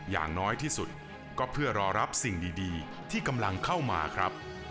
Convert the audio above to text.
อย่างน้อยที่สุดก็เพื่อรอรับสิ่งดีที่กำลังเข้ามาครับ